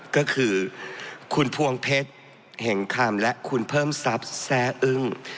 ก็คือคุณพวงเพชรเห็งคำและคุณเพิ่มทรัพย์แซ่อึ้ง